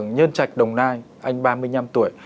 nhân trạch đồng nai anh ba mươi năm tuổi